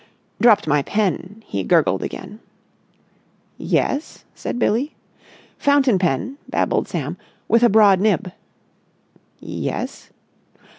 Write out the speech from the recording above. "Dropped my pen!" he gurgled again. "Yes?" said Billie. "Fountain pen," babbled Sam, "with a broad nib." "Yes?"